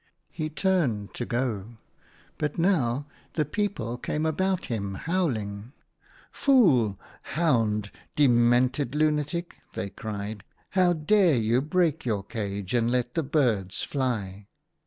He turned to go, but now the people came about him, howling. Fool, hound, demented lunatic !" they cried. " How dared you break your cage and let the birds fly